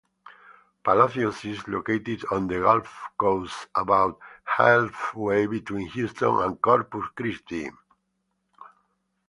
Palacios is located on the Gulf Coast about halfway between Houston and Corpus Christi.